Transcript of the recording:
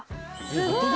すごい。